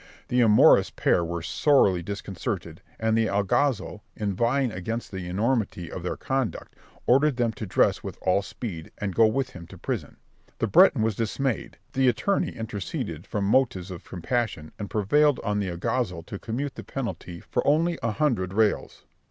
The amorous pair were sorely disconcerted, and the alguazil, inveighing against the enormity of their conduct, ordered them to dress with all speed, and go with him to prison. The Breton was dismayed, the attorney interceded from motives of compassion, and prevailed on the alguazil to commute the penalty for only a hundred reals.